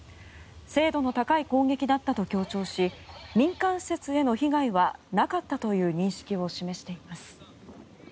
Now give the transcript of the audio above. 精度の高い攻撃だったと強調し民間施設への被害はなかったという認識を示しています。